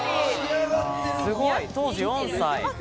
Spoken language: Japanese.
すごい！当時４歳。